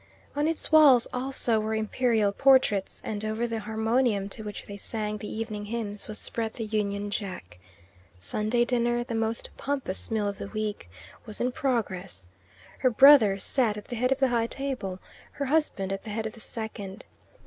On its walls also were imperial portraits, and over the harmonium to which they sang the evening hymns was spread the Union Jack. Sunday dinner, the most pompous meal of the week, was in progress. Her brother sat at the head of the high table, her husband at the head of the second.